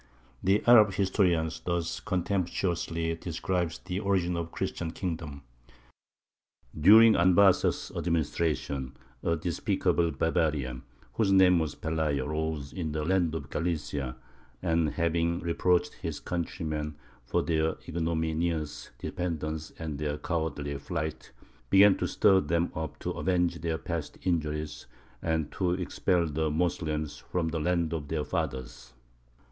The Arab historian thus contemptuously describes the origin of the Christian kingdom: "During Anbasa's administration a despicable barbarian, whose name was Pelayo, rose in the land of Galicia, and, having reproached his countrymen for their ignominious dependence and their cowardly flight, began to stir them up to avenge their past injuries and to expel the Moslems from the land of their fathers.